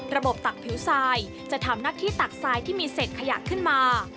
ตักผิวทรายจะทำหน้าที่ตักทรายที่มีเศษขยะขึ้นมา